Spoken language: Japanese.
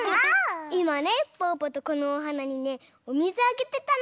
いまねぽぅぽとこのおはなにねおみずあげてたの。